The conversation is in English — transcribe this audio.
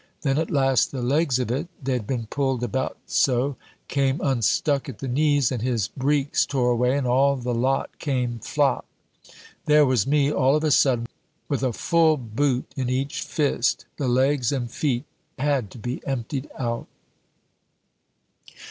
Then at last the legs of it they'd been pulled about so came unstuck at the knees, and his breeks tore away, and all the lot came, flop! There was me, all of a sudden, with a full boot in each fist. The legs and feet had to be emptied out."